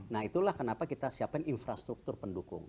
nah itulah kenapa kita siapkan infrastruktur pendukung